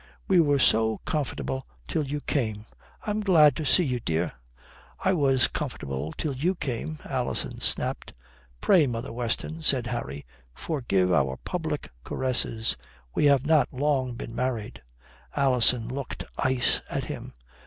"We were so comfortable till you came. I am glad to see you, dear." "I was comfortable till you came." Alison snapped. "Pray, mother Weston," says Harry, "forgive our public caresses. We have not long been married." Alison looked ice at him.